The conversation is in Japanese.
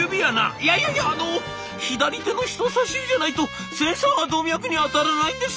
「いやいやいやあの左手の人さし指じゃないとセンサーが動脈に当たらないんです！